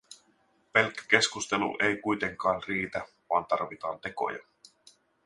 Pelkkä keskustelu ei kuitenkaan riitä, vaan tarvitaan tekoja.